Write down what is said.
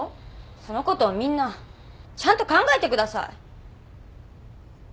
そのことをみんなちゃんと考えてください！